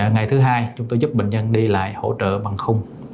ngày thứ hai chúng tôi giúp bệnh nhân đi lại hỗ trợ bằng khung